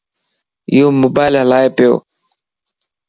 يوموبائل ھلائي پيو